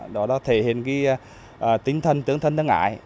đó là thể hiện tính thân tướng thân nước ngãi